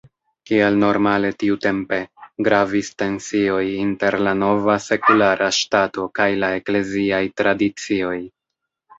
Kiel normale tiutempe, gravis tensioj inter la nova sekulara ŝtato kaj la ekleziaj tradicioj.